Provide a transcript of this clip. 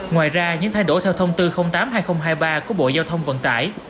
ngoài ra những thay đổi theo thông tư tám hai nghìn hai mươi ba của bộ giao thông vận tải